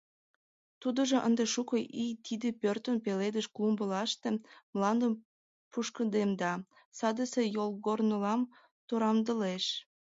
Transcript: Тудыжо ынде шуко ий тиде пӧртын пеледыш клумбылаште мландым пушкыдемда, садысе йолгорнылам турамдылеш.